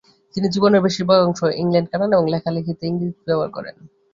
তিনি জীবনের বেশিরভাগ অংশ ইংল্যান্ডে কাটান এবং লেখালেখিতে ইংরেজি ব্যবহার করেন।